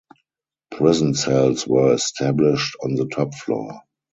Prison cells were established on the top floor.